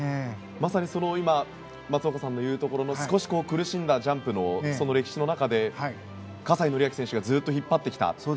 まさに松岡さんが言うところの少し苦しんだジャンプの歴史の中で葛西紀明選手がずっと引っ張ってきた。